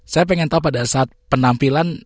saya pengen tahu pada saat penampilan